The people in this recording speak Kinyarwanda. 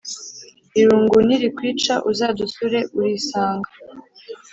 Irungu ni rikwica uzadusure urisanga